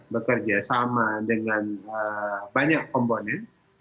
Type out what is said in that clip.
bekerja sama dengan banyak komponen